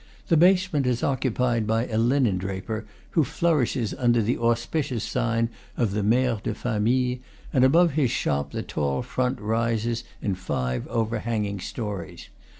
The basement is occupied by a linen draper, who flourishes under the auspicious sign of the Mere de Famille; and above his shop the tall front rises in five overhanging stories.